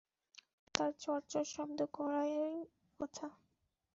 আর তার চড় চড় শব্দ করারই কথা।